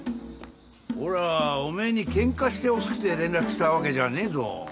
おらはおめえにケンカしてほしくて連絡したわけじゃねえぞ。